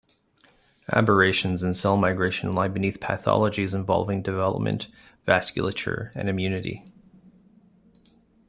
Aberrations in cell migration lie beneath pathologies involving development, vasculature, and immunity.